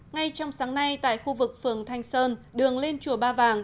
ngay trong sáng nay tại khu vực phường thanh sơn đường lên chùa ba vàng